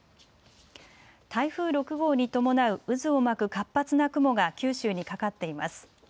台風６号に伴う渦を巻く活発な雲が九州にかかっています。